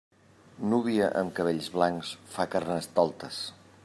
Núvia amb cabells blancs fa Carnestoltes.